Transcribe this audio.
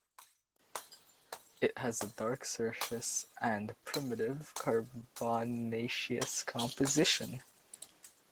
It has a dark surface and primitive carbonaceous composition.